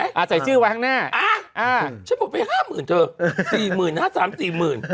แล้วเปลี่ยนใหม่